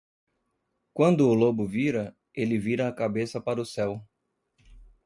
Quando o lobo vira, ele vira a cabeça para o céu.